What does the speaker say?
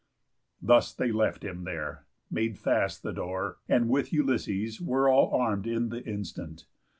Thus they left him there, Made fast the door, and with Ulysses were All arm'd in th' instant.